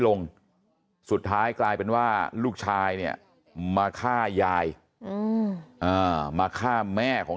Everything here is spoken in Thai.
ลงสุดท้ายกลายเป็นว่าลูกชายเนี่ยมาฆ่ายายมาฆ่าแม่ของ